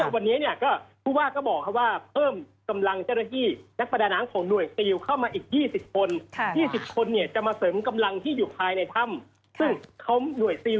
เขาก็บอกว่าเพิ่มกำลังเจ้าหน้าที่กับนักบรรดาน้ำของหน่วยปีวเข้ามาอีก๒๐คน๒๐คนเนี่ยจะมาเสริมกำลังที่อยู่ภายในช้ำตอนหน่วยตีล